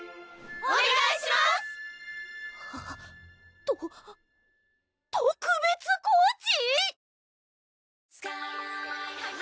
おねがいします！と特別コーチ⁉